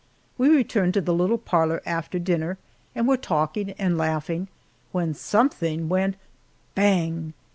We returned to the little parlor after dinner, and were talking and laughing, when something went bang!